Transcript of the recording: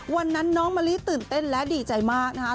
วันนั้นน้องมะลิตื่นเต้นและดีใจมากนะครับ